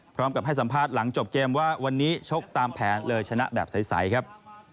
พร้อมกับให้สัมภาษณ์หลังจบเกมว่าวันนี้ชกตามแผนเลยชนะแบบใสครับ